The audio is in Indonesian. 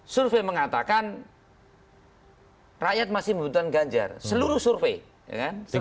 survei mengatakan rakyat masih membutuhkan ganjar seluruh survei